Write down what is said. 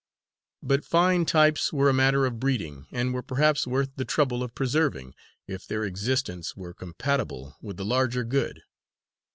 But fine types were a matter of breeding and were perhaps worth the trouble of preserving, if their existence were compatible with the larger good.